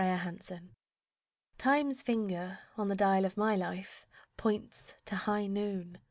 HIGH NOON Time's finger on the dial of my life Points to high noon!